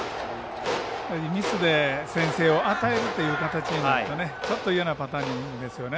ミスで先制を与えるという形になるとちょっと嫌なパターンですよね。